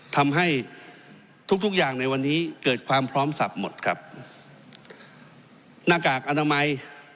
ทำให้ทุกทุกอย่างในวันนี้เกิดความพร้อมสับหมดครับหน้ากากอนามัย